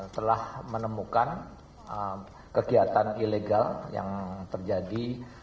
telah menemukan kegiatan ilegal yang terjadi